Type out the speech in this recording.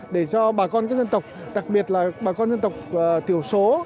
để cho bà con các dân tộc đặc biệt là bà con dân tộc thiểu số